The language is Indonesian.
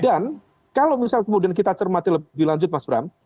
dan kalau misal kemudian kita cermati lebih lanjut mas bram